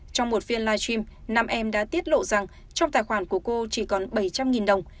trong một phiên live stream năm em đã tiết lộ rằng trong tài khoản của cô chỉ còn bảy trăm linh đồng